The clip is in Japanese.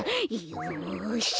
よし。